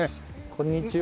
こんにちは。